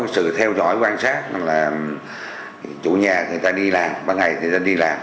sự theo dõi quan sát là chủ nhà thì ta đi làm ban ngày thì ta đi làm